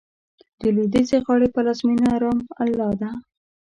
د لوېدیځې غاړې پلازمېنه رام الله ده.